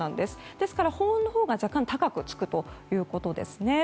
ですから、保温のほうが若干高くつくということですね。